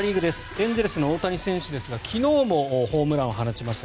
エンゼルスの大谷選手ですが昨日もホームランを放ちました。